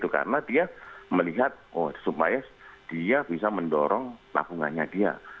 karena dia melihat supaya dia bisa mendorong lapungannya dia